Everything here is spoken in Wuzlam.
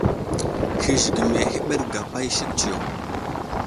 Hi zigəmi ahəɓerge gapa i sek tsiyo.